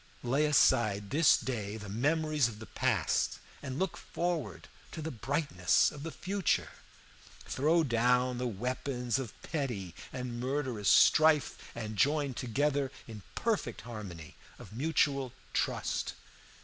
Lay aside this day the memories of the past, and look forward to the brightness of the future. Throw down the weapons of petty and murderous strife, and join together in perfect harmony of mutual trust.